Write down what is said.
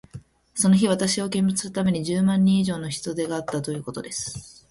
その日、私を見物するために、十万人以上の人出があったということです。